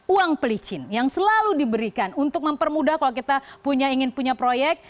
uang pelicin yang selalu diberikan untuk mempermudah kalau kita ingin punya proyek